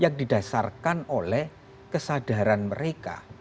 yang didasarkan oleh kesadaran mereka